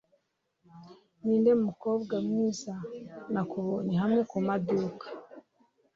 Ninde mukobwa mwiza nakubonye hamwe kumaduka